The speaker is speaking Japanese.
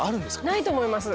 ないと思います。